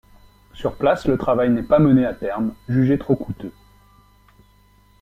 Sur place, le travail n'est pas mené à terme, jugé trop coûteux.